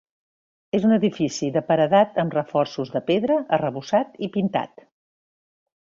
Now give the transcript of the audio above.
És un edifici de paredat amb reforços de pedra, arrebossat i pintat.